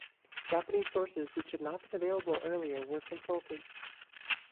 Japanese sources which had not been available earlier were consulted.